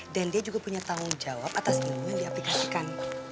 dan dia juga punya tanggung jawab atas ilmu yang diaplikasikan